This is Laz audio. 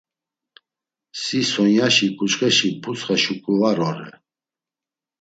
Si Sonyaşi ǩuçxeşi butsxa şuǩu var ore.